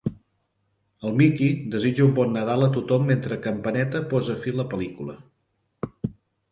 El Mickey desitja un bon Nadal a tothom mentre Campaneta posa fi la pel·lícula.